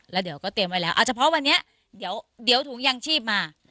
แล้วเดี๋ยวก็เตรียมไว้แล้วอาจจะเพราะวันนี้เดี๋ยวเดี๋ยวถุงยังชีพมา